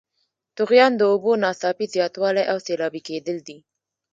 طغیان د اوبو ناڅاپي زیاتوالی او سیلابي کیدل دي.